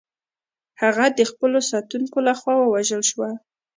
هغه د خپلو ساتونکو لخوا ووژل شوه.